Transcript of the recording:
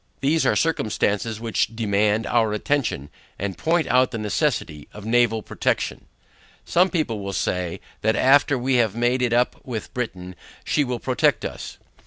These are circumstances which demand our attention, and point out the necessity of naval protection. Some, perhaps, will say, that after we have made it up with Britain, she will protect us.